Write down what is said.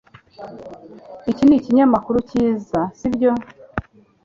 Iki nikinyamakuru cyiza, sibyo?